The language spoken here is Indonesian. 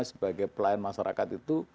sebagai pelayan masyarakat itu